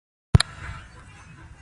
زموږ د اساسي قانون ځانګړنې کومې دي؟